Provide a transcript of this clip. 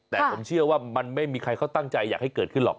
แต่ผมเชื่อว่ามันไม่มีใครเขาตั้งใจอยากให้เกิดขึ้นหรอก